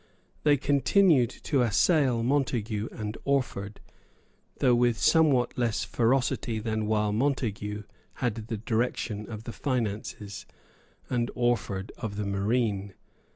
They continued to assail Montague and Orford, though with somewhat less ferocity than while Montague had the direction of the finances, and Orford of the marine.